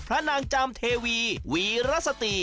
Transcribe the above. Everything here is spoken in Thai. พระนางจำเทวีวิรสติ